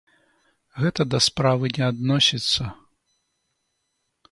Гэта да справы не адносіцца.